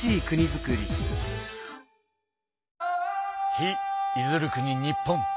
日出づる国日本。